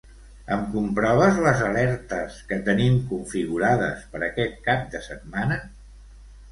Em comproves les alertes que tenim configurades per aquest cap de setmana?